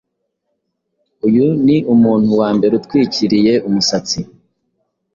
Uyu ni umuntu wambereutwikiriye umusatsi